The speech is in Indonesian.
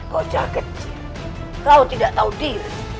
kau cah kecil kau tidak tahu diri